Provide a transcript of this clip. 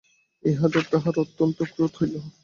ইহাতে তাঁহার অত্যন্ত ক্রোধ হইল।